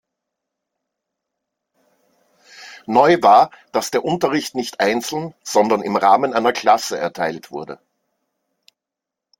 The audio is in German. Neu war, dass der Unterricht nicht einzeln, sondern im Rahmen einer Klasse erteilt wurde.